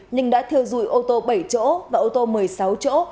nhưng đã thừa dùi ô tô bảy chỗ và ô tô một mươi sáu chỗ